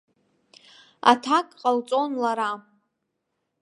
Аҭак ҟалҵон лара.